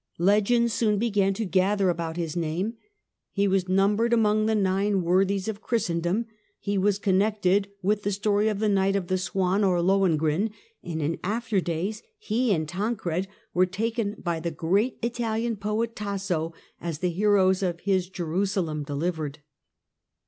Legends soon began to gather about his name. He was numbered among the " Nine Worthies of Christendom," he was connected with the story of the Knight of the Swan, or Lohengrin, and in after days he and Tancred were taken by the great Italian poet Tasso as the heroes of his "Jerusalem Delivered."